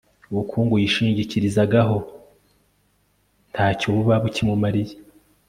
ubukungu yishingikirizagaho, nta cyo buba bukimumariye